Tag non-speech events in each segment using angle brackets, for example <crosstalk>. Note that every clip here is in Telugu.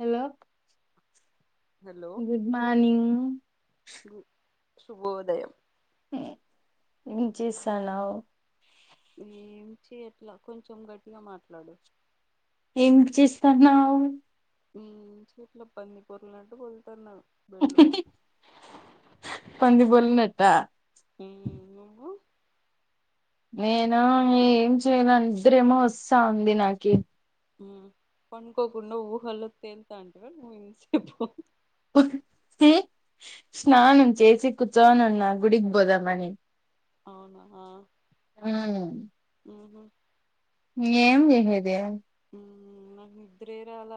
హలో హలో గుడ్ మార్నింగ్ సుభోదయం ఏం చేసానువు ఏంచి ఎట్లా కొంచెం గట్టిగా మాట్లాడు ఏం చేస్తాన్నా చోట్ల పంది పరలనట్టు పలుతున్నా బీడ్లు పైన్ పది బల్నా ఉమ్ నువ్వు నేను ఏం చేయలేందరేమో వస్తా ఉంది నాకి పనుకోకుండా ఊహల్లో తేలుతా అంటవా నువ్వు ఇంతసేపు స్నానం చేసి కుచోనన్న గుడిగబోదామ్మనీ అవునా హమ్ ఆహ ఏం చేసేది నాకు నిద్రరాల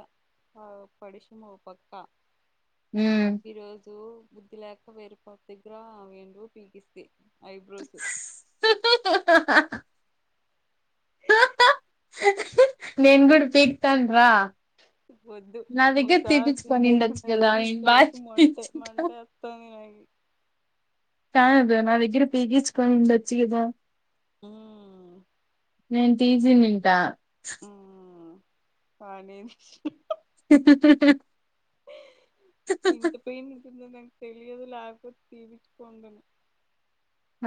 ఆ పడిశమ పక్క హ ఈరోజు బుద్ధి లేక వేరుపా దగ్గర ఆ వండువు పీగిస్తే ఐబ్రోస్ నేన్ గూడ్ పీక్తాన్రా వద్దు ఒకసారి తీపిచ్చుకొని తీగి ఉండొచ్చు కదా ఇచ్చినందుకి నేను బాగా ఇంతవరకు మంట పీకించుకుంటా మంట వస్తుంది నాకు కానుద నా దగ్ర ప గీచ్చ కొ దచ్చికదా ఆ నేన్ తీటీజీ నింటా అ నను ఇంత పోయి తెలియదులు ఆగ జీవచ్చుకోండను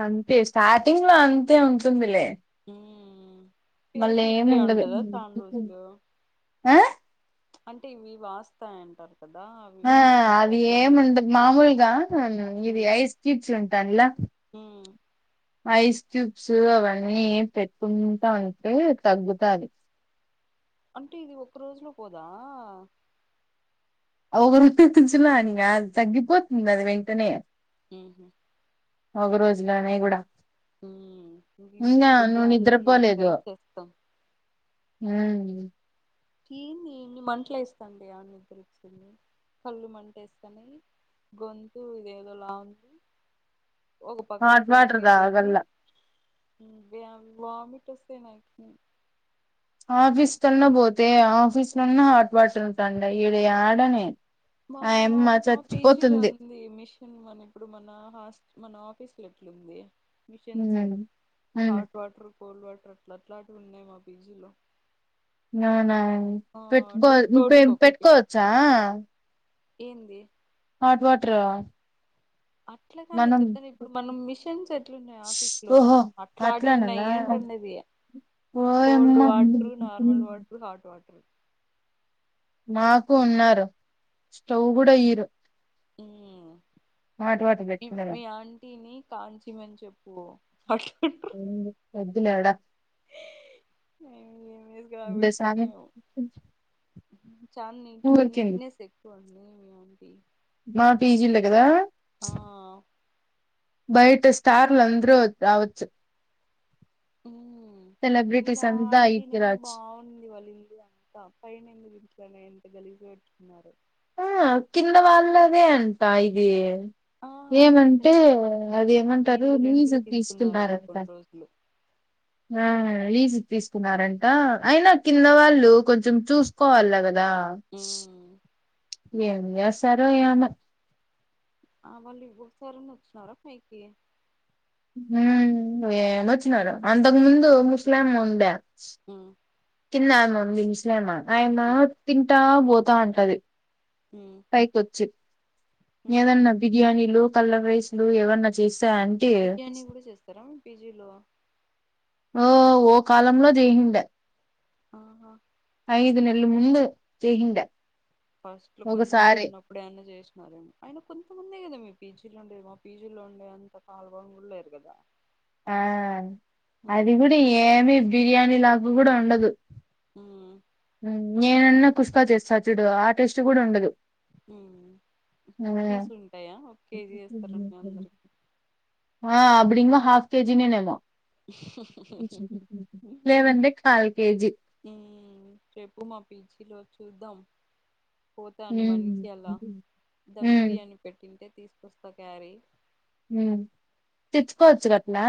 అంతే స్టార్టింగ్ లో అంతే ఉంటుందిలే హ్మ్ ఫేస్ మళ్ము ఇట్లే ఉండది ఉంటదా చానా రోజులు ఆ అంటే ఇవి వాస్తాయంటారు కదా అవి ఆ వాసినవి అది అట్లనే ఉం ఏముండ మామూలుగా ఇది హ్మ్ ఐస్ క్యూబ్స్ ఉంటానులా హ్మ్ ఐస్ క్యూబ్స్ అవన్నీ పెట్టుకుంటా ఉంటే తగ్గుతాయి అంటే ఇది ఒక్క రోజులో పోదా ఒక రూపత్ తంచుిన అనిగా తగ్గిపోతుంది అది వెంటనే హ వగు రోజులనే కూడా ఇంటికి ఇంకా పోతే నువ్వు అన్ని ట్రై చేస్తాం హ ఈ మంటలు వేస్తాండి అవన్నద్ద్ర వచ్చింది కళ్ళు మంట వేస్తాని గొంతు ఇదిదో లా ఉంది ఒక పక్క హాట్ బ్లాక్ వాటర్ అయిపోయింది తాగల్ల వ వమిట్ అే నా ఆఫీస్ కన్నా పోతే ఆఫీస్ లోన్నా హాట్ వాటర్ ఉంటండ ఈడ ఆడనే మా మా పీజీలో ఉంది మిషన్ మన ఇప్పుడు మన హ మన ఆఫీస్ లో ఎట్లుంది ఉమ్ మిషన్స్ ఉమ్ హాట్ వాటర్ కోల్డ్ వాటర్ అట్లాటివి ఉన్నయి మా ఫ్రిడ్జ్ లో అవునా పెట్టుకో ను ఫ్లోర్స్ కి ఒకటి పెట్టుకోవచ్చా ఏంది హాట్ వాటరా అట్ల కాదు నేను చెప్పేది, ఇప్పుడు మనం మిషన్స్ ఎట్లు ఉన్నాయి. ఆఫీస్ లో ఓహో అట్లాంటివి అట్లానేనా ఉన్నయి అంటుండేది. ఓయమ్మ cold water, normal water, hot water. నాకు ఉన్నారు స్టవ్ కూడా ఈయరు ఉ వాటర్ మీ పెట్టినా మీ ఆంటీని కాంచిమని చెప్పు వద్దులే ఆడ ఏం వేసి కాబెడుతుందో బెసానికి చా నీట్ గా నీట్నేెస్ ఎక్కువ అండి మీ ఆంటీ మా పీజీలొ కదా ఆ బయట స్టార్ల అందరు రావచ్చు ఉ కింద సెలబ్రిటీస్ అంతా ఆంటీ ఈటికి నేమో రావచ్చు బాగుంది వాళ్ళిలు అ పైన ఎందుకు ఇటికలను ఎంత గలీజుగ పెట్టు కున్నారో ఆ కింద వాళ్ళదే అంట ఇది ఆ అదే ఏమంటే కదా అది ఏమంటారు వీళ్ళు రెంట్ కి లీజుకు తీసుకున్నారేమో తీసుకున్నారంట కొన్ని రోజులు ఆ లీజ్ తీసుకున్నారంట అయినా కింద వాళ్ళు కొంచెం చూసుకోవాల కద ఆ ఉమ్ ఏమి చేస్తారో ఏమొ ఆ వాళ్ళు ఇవొ ఒకసారన్న వచ్చినారా పైకి హ ఏమొచ్చినారు అంతకు ముందు ఒక ముస్లామే ఉండే అ కిందామే ఉంది ముస్లామా ఆమె తింటా ఉం పోతా అంటది పైకి వచ్చి ఉమ్ ఉహు ఏదన్న బిర్యానీలు పల్ ఐస్లు ఎవన్న బిర్యానీ కూడా చేస్తారా పీజీలో ఓ ఓ కాలంలో చేసిండా ఆఓహా ఐదు నెలు ముందు చేసెండా ఫస్ట్ లో కొంతమంది ఉన్నప్పుడు ఏమన్నా చేస్ అయన కొంతముందే కదా మీ పీజీలో ఉండే మా పీజీలో ఉండే అంత కాల్ బగ్ కూడా లేరు కదా ఆ అది కూడా ఏమి బిర్యానీ లాభ కూడా ఉండదు నేనన్నా కుష్కా చేస్తా చుడు ఆ టెస్ట్ కూడా ఉండదు మ్ ఫీస్ ఉమ్, ఉంటాయా ఒక కేజీ వేస్తారా అందరు ఆ అప్పుడింగ హాఫ్ కేజినేనేమో లేదంటే కాల్ కేజీ మ్ చేపూ మా పీచి లో చూద్దాం పోతాను ఉమ్, వనికి అలా ధమ్ ఉమ్, బిర్యాని పెట్టింటే తీసుకొస్తా క్యారీ మ్ తెచ్చకోవచ్చుగట్న్నా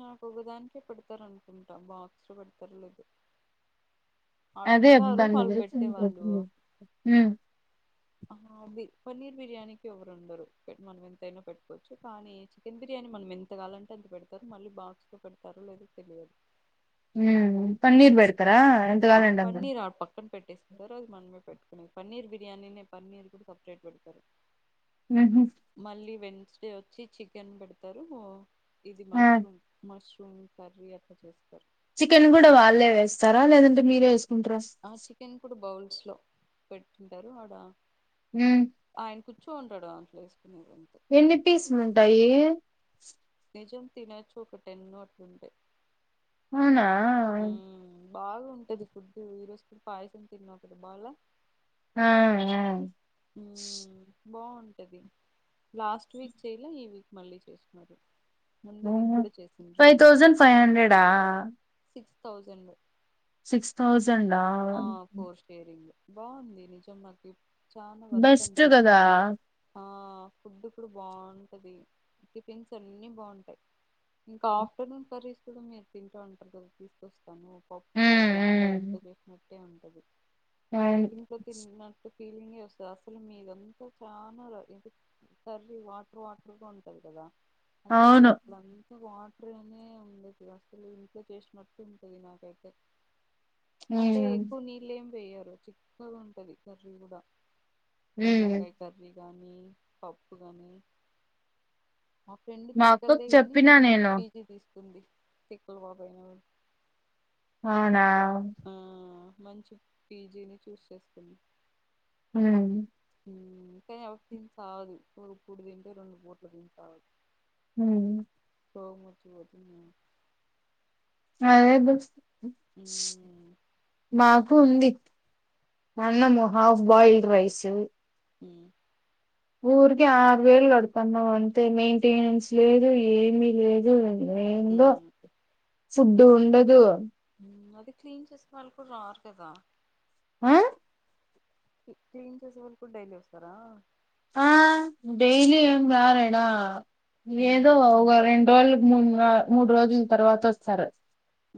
నాకు ఒకదానికే పెడతారు అనుకుంటా బాక్స్ లో పెడతారో లేదో అదే దన్ దగ్గర ఇచ్చింది <unintelligible> మ్ అ బి పన్ననీర్ బిర్యానీకి ఎవరు ఉండరు, మనం ఎంతైనా పెట్టుకోవచ్చు కానీ చికెన్ బిర్యానీ మనం ఎంతగావాలంటే అంత పె మళ్ళీ బాక్స్ లో పెడతారు లేదో తెలియదు మ్ పన్నీర్ పేడ్ అర ఆ ఎంతగాలండి అంత పన్నీర్ ఆ పక్కన పెట్టేసుకుంటారు అది మనమే పెట్టుకునే పన్నీర్ బిర్యానీ పన్నీర్ కూడా సపరేట్ పెడతారు ఉహు. మళ్ళీ వెన్న నక్స్ డే వచ్చి చికెన్ పెడతారు ఇది ఆ, మష్రూమ్ మష్రూమ్ కర్రీ అట్లా చేస్తారు చికెన్ కూడా వాళ్ళే వేస్తారా లేదంటే మీరే వే ఆ చికెన్ కూడా బౌల్స్ లో పెట్టుంటారు ఆడ ఉమ్. చూంటాడు ఆంట్స్ కొన గుంత ఎన్ని పీసులు ఉంటాయి నిజం తిన చూ ఒకటన్నట్ంది అవునా బాగు ఉంటది ఫుడ్డూ ఈ రోజు కూడ పాయసం తిన్నావ్ కదా బాగలే ఆ ఆ ఉమ్ బాగుంటది లాస్ట్ వీక్ చేయలే ఈ వీక్ మళ్ళీ చేస్తున్నారు ఉ హు ఫైవ్ తౌసండ్ ఫైవ్ హండ్రెడా సిక్స్ తౌసండ సిక్స్ తౌస్ సండా ఫోర్ షేరింగ్ బాగుంది నిజం మాకి చానా బెస్ట్ వర్త్నిపించ కదా ఆ ఫుడ్ కూడ బాగుంటది టిఫిన్స్ అన్నీ బాగుంటాయి. ఇంకా ఆఫ్టర్నూన్ కర్రీస్ కూడా మీరు తింటా అంటారు కదా తీసుకొస్తాను. పప్పు ఉమ్ అట్లంతా ఉమ్ ఇంట్లో చేసినట్ ట్టే ఉంటది అవును నీక్ ఇంట్లో తిన్నటు ఫీలింగే వస్తుంది అసలు మీదంతా చానా ఇ కర్రీ వాటర్ వాటర్గా ఉంటది కదా అసలు అవును అట్లంతా వాట్ టర్ అనే ఉండదు అసలు ఇంట్లో చేసినట్టు ఉంటది నాకైతే. ఉమ్ ఎక్కువ నీలేమి వెయ్యరు చిక్కగ ఉంటది కర్రీ గూడా నూనె ఉమ్ వంకాయ కర్రీ కానీ పప్పు గానీ మా ఫ్రెండ్ మా తిక్కల్ అక్కకు దే గానీ చెప్పినా ముందు మంచి నేను పీజీ తీస్ కుంది తిక్కల పాప అయినా కూడా అవునా అ ఆ మంచి పీజీని చూస్ చేసుకుంది ఉమ్ ఉమ్ కానీ ఆ పాప తిని సావదు ఒక పూట తింటే రెండు పూట్ల తిని సావదు. ఉమ్ రోగం వచ్చిపోతుందేమో. అదే దోస్త స్ ఉమ్ మాక్ కుంది మా అన్నము హాఫ్ బాయిల్డ్ రైసూ ఉమ్ ఊరికే ఆరు వేలు కడతాన్నవ్ అంటే మెయింటెనెన్స్ లేదు ఏమి లేదూ. ఏందో ఉమ్ ఫుడ్ ఉండదూ. అవి క్లీన్ చేస్కోనే వాళ్ళు కూడా రావట్లేదా? ఉహ్ కి క్లీన్ చేసే వాళ్ళు కూడా డైలీ వస్తారా? ఆ డెలీ ఏం రారెనా ఏదో ఉమ్ <unintelligible> <unintelligible> మూడు రోజుల తర్వాత వస్తారు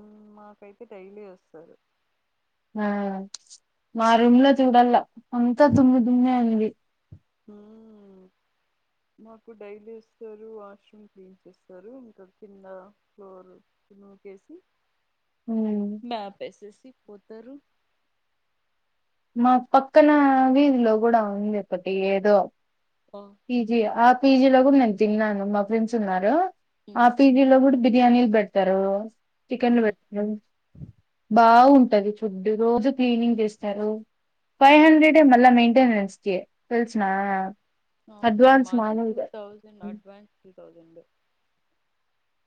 ఉహ్ మాకైతే డైలీ వస్తారు. ఆ మా రూమ్ లో చూడలా అంత దుమ్ము దుమ్ముమే ఉంది. ఉమ్ మాకు డైలీ వస్తారు వాష్రూమ్ క్లీన్ చేస్తారు. ఇంకా కింద ఫ్లోర్ ను మాప్ వేసేసి పోత్తరు మా పక్కన వీధిలో కూడా ఉంది ఒకటి ఏదో ఆ ఈజీ <unintelligible> పీజీ లో కూడా నేను తిన్నాను, మా ఫ్రెండ్స్ ఉన్నారు ఆ ఉమ్ పిజీలో కూడ్ బిర్యానీల్ పెడతారు చికెన్లు ఉమ్ పెత్తరు బాగుంటది ఫుడ్ రోజు క్లీనింగ్ చేస్తారు. ఫైవ్ హండ్రెడే మళ్ల మెయింటెనెన్ <unintelligible> ఉహ్ అవునా మాది టూ మామూలుగా తౌసండ్ అడ్వాన్స్ తౌసండ్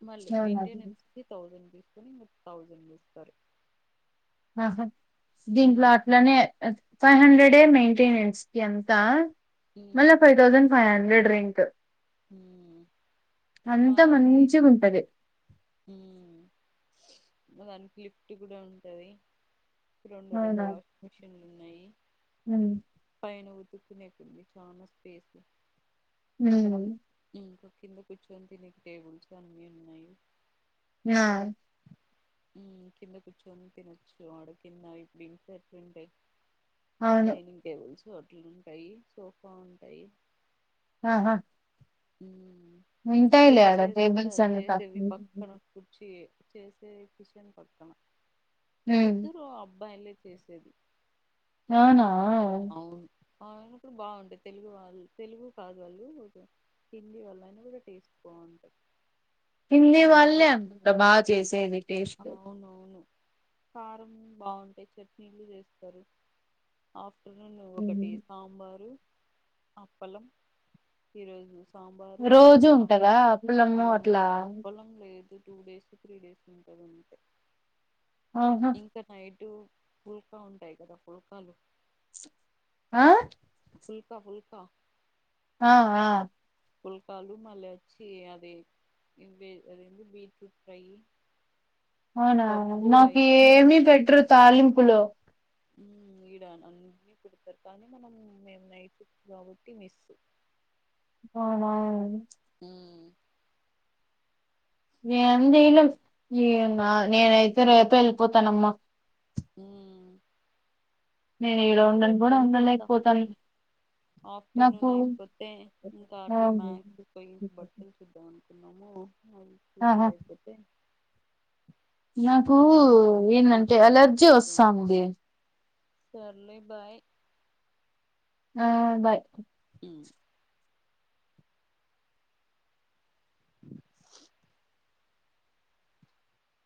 మళ్ళీ మెయింటెనెన్స్ కి థౌసండ్ కని ము థౌజండ్ ఇస్తారు. ఆహా దీంట్లో మ్మ్ అట్లనే ఫైవ్ హండ్రెడే మెయింటెనెన్స్ కి అంత మళ్ళ five thousand five hundred drink ఉమ్ అంతా మాది మంచిగా ఉంటది ఉమ్ దానికి లిఫ్ట్ కూడా ఉంటది. రెండు రెండు అవునా వాషింగ్ మిషన్ ఉమ్ నిన్ ఉతుక్కునేటుంది చాలా స్పేస్ ఉహ్ ఇంకా కింద కూర్చొని తినే టేబుల్స్ అన్ని ఉన్నాయి ఆ ఉమ్ కింద కూర్చొని తినచ్చు అడ కింద ఇప్పుడు ఇట్ల ఎట్లా ఉంటాయి. అవును డైనింగ్ టెబల్స్ హోటలు ఉంటాయి సోఫా ఉంటాయి ఆహా <inaudible> సే ఉంటాయిలే ఆడ చేసేదంతా టేబుల్స్ అంతా చేసింది పక్కన కుడిచి చేసే కిషన్ పక్కన ఉమ్, ఇద్దరు అబ్బాయి లే చే సది నానా అవును ఆ ఆయన కూడా బాగుంటుంది తెలుగు వాళ్ళు తెలుగు కాదు వాళ్ళు హిందీ వాళ్ళ అయినా కూడా టేస్ట్ బాగుంటుంది హిందీ వాళ్ళే అంటా బాగా చేసేది టేస్ట్ అవునవును కారం బాగుంటా చట్నీలు చేస్తారు రెండు ఒకటి సాంబారు అప్పలం ఈరోజు సాంబారు రోజూ అప్- ఉంటందా ఆ అప్పలము అట్లా అప్పలం లేదు టూ డేస్ త్రీ డేస్ ఉంది ఆహా ఇంకా టైట్ ఇటు ఫుల్కా ఉంటాయి కదా ఫుల్కాలు ఆ ఫుల్కా ఫుల్కా ఆ ఆ పుల్కాలు మళ్ళచ్చి అదే ఇ అది బీట్రూట్ ఫ్రై అవునా పప్పు నాకు రైస్ ఏమి పెట్టారు తాలింపులు ఇడా అన్నీ కుడతారు కానీ మనం మేము నైట్ కాబట్టి మిస్ అవునావు హ్మ్ ఈగ ఉండి ఎమ్ చేయలేమ్ నేనైతే రేపే వెళ్ళిపోతానమ్మా హ్మ్ ఈడ నేను ఉండను రేపు కూడా వెళ్ళిపోతా ఉండలేకపోతాను నాకు ఆఫ్టర్నూన్ అయిపోతే ఇంకా ఆ అట్లా మ్యాక్ పో బట్టలు చద్దాను నమో అ చూసే ఆహా అయిపోతే నాకు ఇంకా వచ్చి ఏంటంటే అట్లా అలర్జీ వెళ్ళిపోయేది వస్తుంది సర్లే బాయ్ ఆ బాయ్ హ్మ్